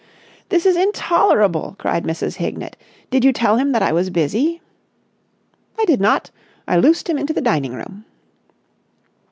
"This is intolerable!" cried Mrs. Hignett. "Did you tell him that I was busy?" "I did not. I loosed him into the dining room."